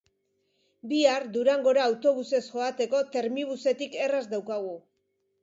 Bihar Durangora autobusez joateko Termibusetik erraz daukagu.